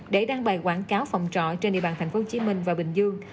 để đăng bài quảng cáo phòng trọ trên địa bàn thành phố hồ chí minh và bình dương